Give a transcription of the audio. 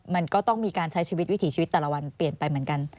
มันก็ต้องมีการใช้ชีวิตวิถีชีวิตแต่ละวันเปลี่ยนไปเหมือนกัน